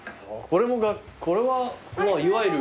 これはまあいわゆる。